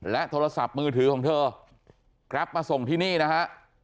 โทรศัพท์มือถือของเธอกลับมาส่งที่นี่นะฮะ